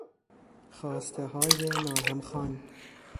خواستههای ناهمخوان